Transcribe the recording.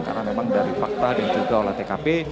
karena memang dari fakta dan juga olah tkp